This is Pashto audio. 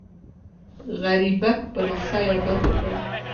غریبک پر نسخه یاداښت کړی.